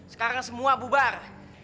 sekarang semua bubar